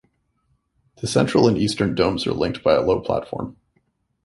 The central and eastern domes are linked by a low platform.